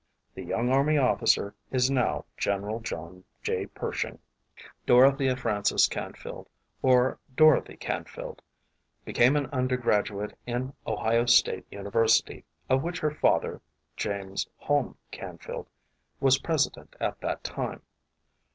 The young army officer is now General John J. Pershing. Dorothea Frances Canfield, or Dorothy Canfield, became an undergraduate in Ohio State University, of which her father (James Hulme Canfield) was president at that time.